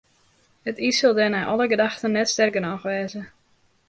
It iis sil dêr nei alle gedachten net sterk genôch wêze.